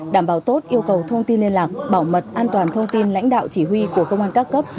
đảm bảo tốt yêu cầu thông tin liên lạc bảo mật an toàn thông tin lãnh đạo chỉ huy của công an các cấp